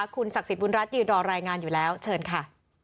คุณศักดิ์สิทธิบุญรัฐยืนรอรายงานอยู่แล้วเชิญค่ะ